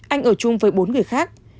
anh ở chung với bốn người khác